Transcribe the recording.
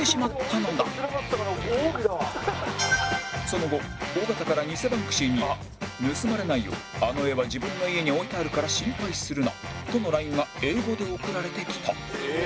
その後尾形から偽バンクシーに「盗まれないようあの画は自分の家に置いてあるから心配するな」との ＬＩＮＥ が英語で送られてきた